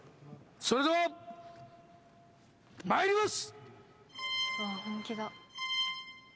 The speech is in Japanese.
それではまいります